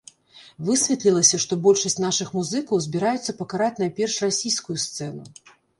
Высветлілася, што большасць нашых музыкаў збіраюцца пакараць найперш расійскую сцэну.